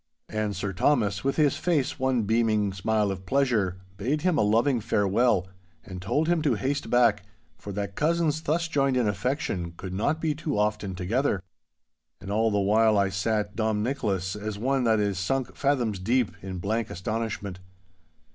And Sir Thomas, with his face one beaming smile of pleasure, bade him a loving farewell, and told him to haste back, for that cousins thus joined in affection could not be too often together. And all the while I sat Dom Nicholas as one that is sunk fathoms deep in blank astonishment.